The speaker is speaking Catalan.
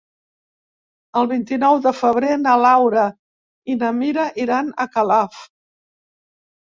El vint-i-nou de febrer na Laura i na Mira iran a Calaf.